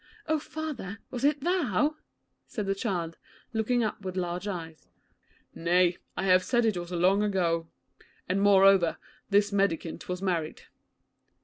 'Oh, father, was it thou?' said the child, looking up with large eyes. 'Nay, I have said it was long ago, and, moreover, this mendicant was married.'